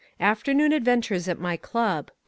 AFTERNOON ADVENTURES AT MY CLUB 1.